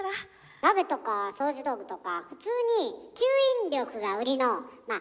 鍋とか掃除道具とか普通に吸引力がウリのまあ